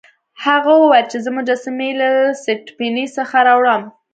هغه وویل چې زه مجسمې له سټپني څخه راوړم.